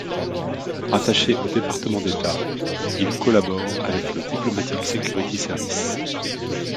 Rattachés au département d'État, ils collaborent avec le Diplomatic Security Service.